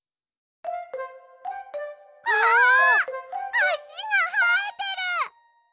あしがはえてる！